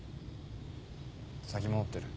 先戻ってる。